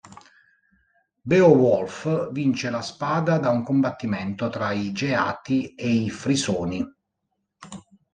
Beowulf vince la spada da un combattimento tra i Geati e i Frisoni.